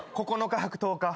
９日泊１０日。